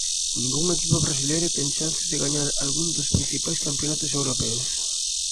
Ningún equipo brasileiro ten chance de gañar algún dos principais campionatos europeos